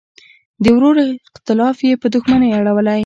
د ورور اختلاف یې په دوښمنۍ اړولی.